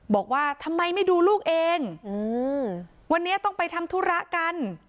บอกว่าทำไมไม่ดูลูกเองวันนี้ต้องไปทำธุระกัน